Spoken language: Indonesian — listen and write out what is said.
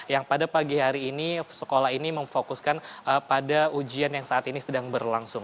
yang pada pagi hari ini sekolah ini memfokuskan pada ujian yang saat ini sedang berlangsung